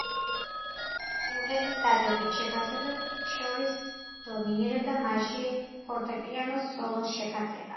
სიმღერის დადებით შეფასებებს შორის დომინირებდა მასში ფორტეპიანოს სოლოს შეფასება.